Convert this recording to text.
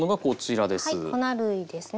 粉類ですね。